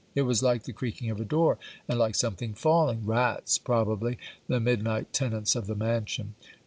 It was like the creaking of a door, and like something falling. Rat's probably; the midnight tenants of the mansion.